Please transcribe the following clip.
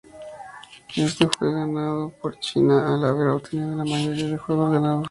Este fue ganado por China al haber obtenido la mayoría de juegos ganados.